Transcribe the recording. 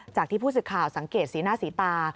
จากที่ผู้สื่อข่าวสังเกตสีหน้าสีตา